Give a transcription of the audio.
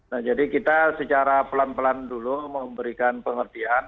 nah jadi kita secara pelan pelan dulu memberikan pengertian